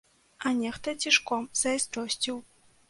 А нехта цішком зайздросціў.